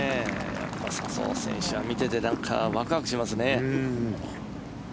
やっぱり笹生選手は見ていてワクワクしますね。